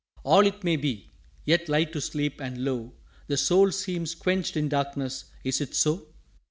_" "All it may be. Yet lie to sleep, and lo, The soul seems quenched in Darkness is it so?